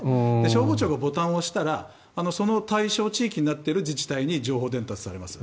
消防庁がボタンを押したらその対象地域になっている自治体に情報伝達されます。